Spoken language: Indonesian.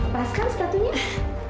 pas kan statunya